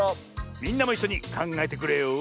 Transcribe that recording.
みんなもいっしょにかんがえてくれよ！